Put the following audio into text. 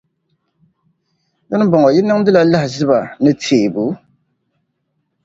Di ni bɔŋɔ, yi niŋdila lahiʒiba ni teebu.